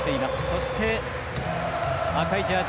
そして、赤いジャージ